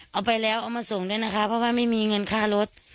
เอาไปแล้วเอามาส่งด้วยนะคะเพราะว่าไม่มีเงินค่ารถ